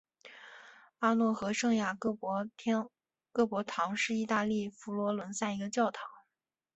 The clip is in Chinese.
阿诺河圣雅各伯堂是意大利佛罗伦萨一个教堂。